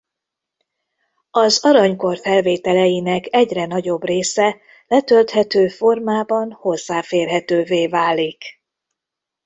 Az aranykor felvételeinek egyre nagyobb része letölthető formában hozzáférhetővé válik.